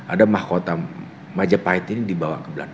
ada mahkota majapahit ini dibawa ke belanda